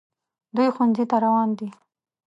دوی ښوونځي ته روان دي